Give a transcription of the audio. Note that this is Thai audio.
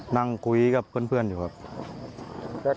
นั่งคุยกับเพื่อนอยู่ครับ